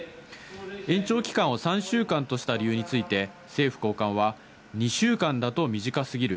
延長期間を３週間とした理由について政府高官は、２週間だと短すぎる。